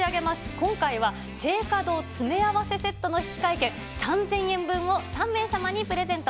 今回は青果堂詰め合わせセットの引換券３０００円分を３名様にプレゼント。